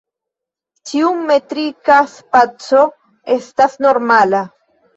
Ĉiu metrika spaco estas normala.